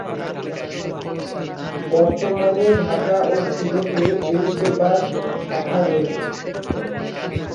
বর্তমানে ঢাকা ও সিলেটে এই সেবার শাখা রয়েছে।